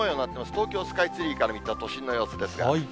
東京スカイツリーから見た都心の様子ですが。